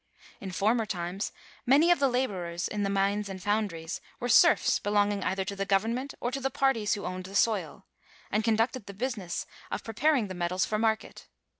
In former times many of the laborers in the mines and foun^ dries were serfs belonging either to the govern^ ment or to the parties who owned the soil^ and conducted the business of preparing the metals for market.